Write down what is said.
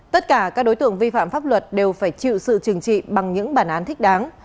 tất cả các đối tượng vi phạm pháp luật đều phải chịu sự trừng trị bằng những bản án thích đáng